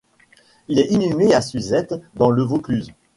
Il est inhumé à Suzette dans le Vaucluse.